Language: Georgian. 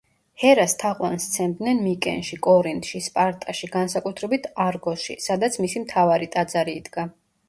ჰერას თაყვანს სცემდნენ მიკენში, კორინთში, სპარტაში, განსაკუთრებით არგოსში, სადაც მისი მთავარი ტაძარი იდგა.